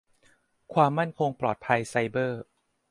ความมั่นคงปลอดภัยไซเบอร์